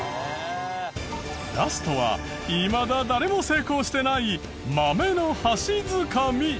ラストはいまだ誰も成功してない豆の箸づかみ。